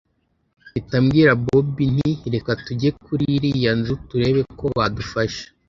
mpita mbwira bobi nti reka tujye kuri iriya nzu turebe ko badufasha